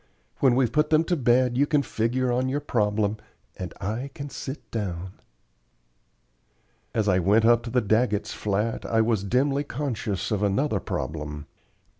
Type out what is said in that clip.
When we've put them to bed you can figure on your problem, and I can sit down." As I went up to the Daggetts' flat I was dimly conscious of another problem.